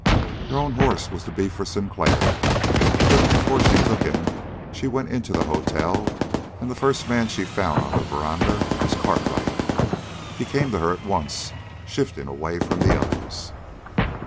Her own horse was to be for Sinclair. But before she took him, she went into the hotel, and the first man she found on the veranda was Cartwright. He came to her at once, shifting away from the others.